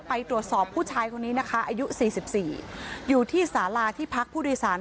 ไปตรวจสอบผู้ชายคนนี้นะคะอายุ๔๔อยู่ที่สาราที่พักผู้โดยสาร